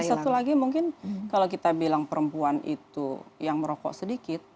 dan satu lagi mungkin kalau kita bilang perempuan itu yang merokok sedikit